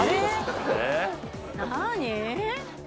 何？